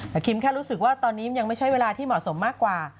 แต่คิมแค่รู้สึกว่าตอนนี้มันยังไม่ใช่เวลาที่เหมาะสมมากกว่า